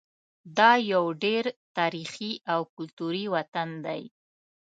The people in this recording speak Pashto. دا یو ډېر تاریخي او کلتوري وطن دی.